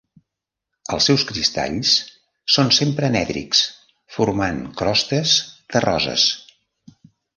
Els seus cristalls són sempre anèdrics, formant crostes terroses.